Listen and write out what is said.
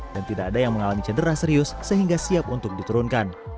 dan tidak ada yang mengalami cedera serius sehingga siap untuk diturunkan